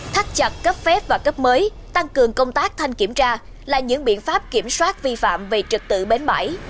thắt chặt cấp phép và cấp mới tăng cường công tác thanh kiểm tra là những biện pháp kiểm soát vi phạm về trực tự bến bãi